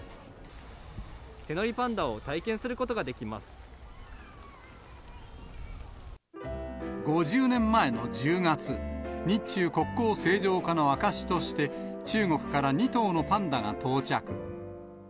手乗りパンダを体験すること５０年前の１０月、日中国交正常化の証しとして、中国から２頭のパンダが到着。